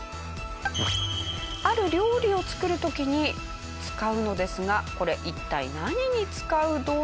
ある料理を作る時に使うのですがこれ一体何に使う道具なのでしょうか？